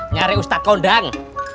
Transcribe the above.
nyari ustadz kondang